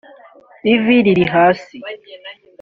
ivi riri hasi